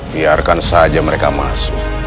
biarkan saja mereka masuk